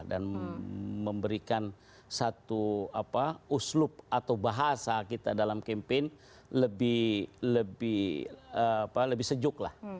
dan memberikan satu apa uslub atau bahasa kita dalam kempen lebih sejuk lah